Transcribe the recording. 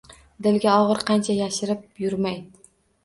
Dilga ogʻir qancha yashirib yurmay: